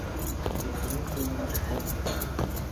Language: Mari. Пеленем, пеленем, тый.